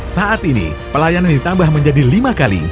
saat ini pelayanan ditambah menjadi lima kali